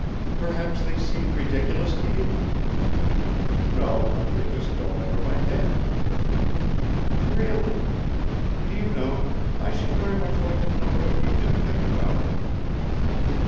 "Perhaps they seem ridiculous to you?" "No, they just don't enter my head." "Really. Do you know, I should very much like to know what you do think about?"